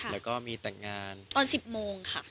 แล้วก็มีแต่งงานตอน๑๐โมงค่ะ